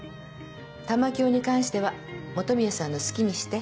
玉響に関しては本宮さんの好きにして。